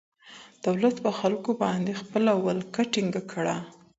دولت په خلګو باندې خپله ولکه ټینګه کړه.